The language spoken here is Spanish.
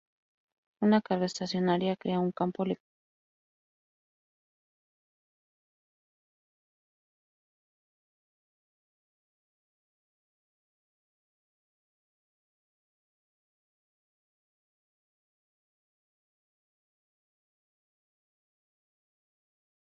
Canseco y su familia huyeron de Cuba cuando eran niños.